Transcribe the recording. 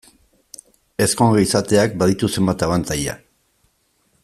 Ezkonge izateak baditu zenbait abantaila.